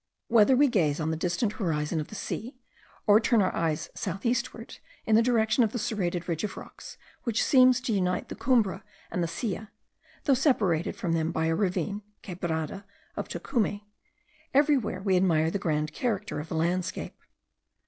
Whether we gaze on the distant horizon of the sea, or turn our eyes south eastward, in the direction of the serrated ridge of rocks, which seems to unite the Cumbre and the Silla, though separated from them by the ravine (quebrada) of Tocume, everywhere we admire the grand character of the landscape.